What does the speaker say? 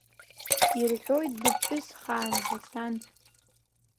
Ирҳәоит быԥҳәысхаан ҳәа сан.